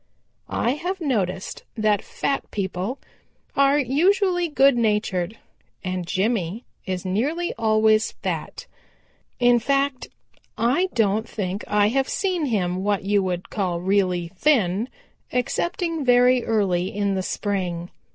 I have noticed that fat people are usually good natured, and Jimmy is nearly always fat. In fact, I don't think I have seen him what you would call really thin excepting very early in the spring.